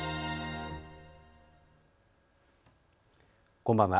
こんばんは。